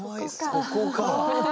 そこか！